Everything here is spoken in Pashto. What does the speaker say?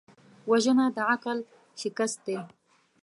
وژنه د عقل شکست دی